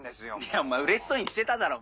お前うれしそうにしてただろ。